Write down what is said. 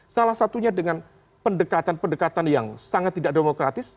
salah satunya dengan pendekatan pendekatan yang sangat tidak demokratis